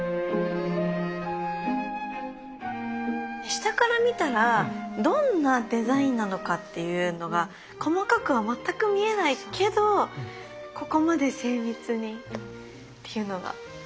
下から見たらどんなデザインなのかっていうのが細かくは全く見えないけどここまで精密にっていうのが感動しますね。